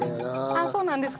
あっそうなんですか？